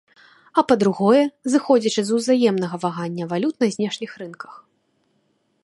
А па-другое, зыходзячы з узаемнага вагання валют на знешніх рынках.